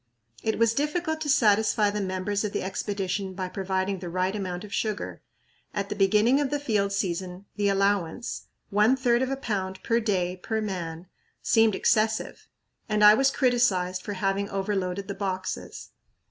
It was difficult to satisfy the members of the Expedition by providing the right amount of sugar. At the beginning of the field season the allowance one third of a pound per day per man seemed excessive, and I was criticized for having overloaded the boxes.